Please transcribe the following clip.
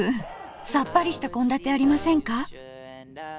さっぱりした献立ありませんか？